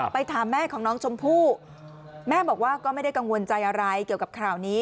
ถามแม่ของน้องชมพู่แม่บอกว่าก็ไม่ได้กังวลใจอะไรเกี่ยวกับข่าวนี้